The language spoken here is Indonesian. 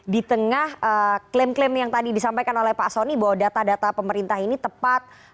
di tengah klaim klaim yang tadi disampaikan oleh pak soni bahwa data data pemerintah ini tepat